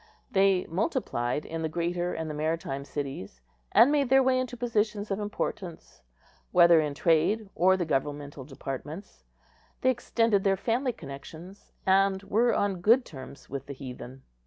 They multiplied in the greater and the maritime cities, and made their way into positions of importance, whether in trade or the governmental departments; they extended their family connections, and were on good terms with the heathen.